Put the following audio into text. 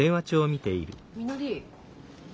みのり。